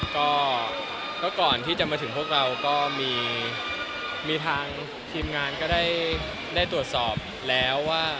ก็ก่อนที่จะมาถึงพวกเราก็มีทางทีมงานก็ได้ตรวจสอบแล้วว่า